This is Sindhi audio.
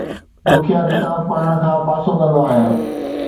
ڏکيا ڪتاب پڙهڻ کان پاسو ڪندو آهيان